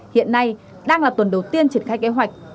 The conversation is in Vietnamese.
hiện nay đang là tuần đầu tiên triển khai kế hoạch